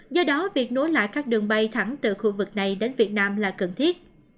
do đó việc nối lại các đường bay thẳng từ khu vực này đến việt nam là cần thiết